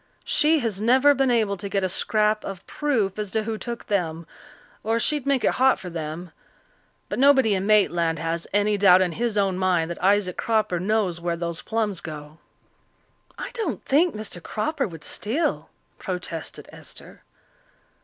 She has never been able to get a scrap of proof as to who took them, or she'd make it hot for them. But nobody in Maitland has any doubt in his own mind that Isaac Cropper knows where those plums go." "I don't think Mr. Cropper would steal," protested Esther.